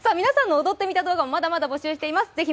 皆さんの「踊ってみた」動画もまだまだ募集しています。